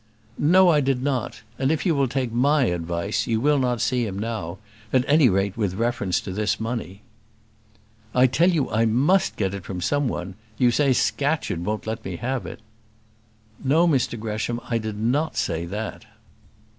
"No, I did not; and if you will take my advice you will not see him now; at any rate with reference to this money." "I tell you I must get it from someone; you say Scatcherd won't let me have it." "No, Mr Gresham; I did not say that."